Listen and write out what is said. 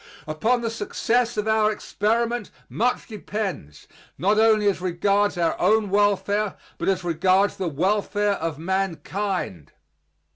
Upon the success of our experiment much depends not only as regards our own welfare, but as regards the welfare of mankind.